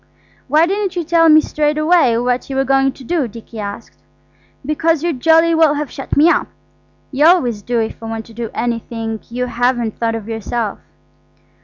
"Why didn't you tell me straight out what you were going to do?" Dicky asked. "Because you'd jolly well have shut me up. You always do if I want to do anything you haven't thought of yourself."